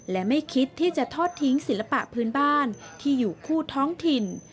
และไม่คิดที่จะทอดทิ้งศิลปะพื้นบ้านที่อยู่คู่ท้องถิ่น